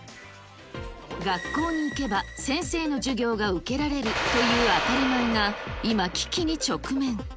学校に行けば、先生の授業が受けられるという当たり前が、今、危機に直面。